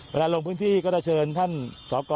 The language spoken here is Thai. ลงพื้นที่ก็จะเชิญท่านสก